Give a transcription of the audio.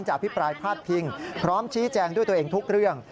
อภิปรายพาดพิงพร้อมชี้แจงด้วยตัวเองทุกเรื่อง